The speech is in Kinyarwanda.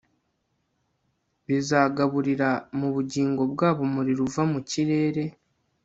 Bizagaburira mu bugingo bwabo umuriro uva mu kirere